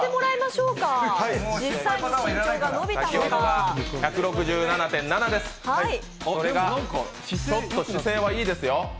ちょっと姿勢がいいですよ。